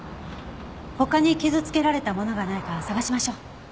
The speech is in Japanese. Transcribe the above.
他に傷つけられたものがないか捜しましょう。